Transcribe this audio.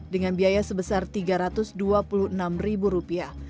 dengan biaya sebesar rp tiga ratus dua puluh